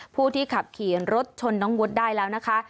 ผู้ที่ขับขี่รถชนน้องวุฒิได้แล้วนะคะ